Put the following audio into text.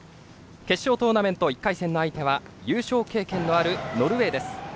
決勝トーナメント１回戦の相手は優勝経験のあるノルウェーです。